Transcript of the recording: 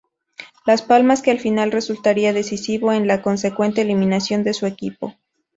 Las Palmas, que al final resultaría decisivo en la consecuente eliminación de su equipo.